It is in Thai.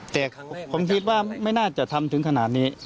แต่ผมคิดว่าไม่น่าจะทำถึงขนาดนี้